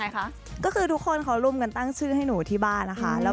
ค่ะก็คือทุกคนเขารุมกันตั้งชื่อให้หนูที่บ้านนะคะแล้ว